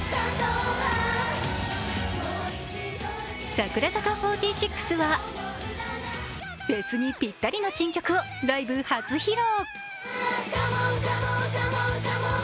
櫻坂４６はフェスにぴったりの新曲をライブ初披露。